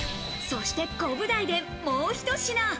そして、コブダイでもうひと品。